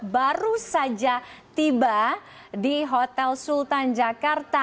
baru saja tiba di hotel sultan jakarta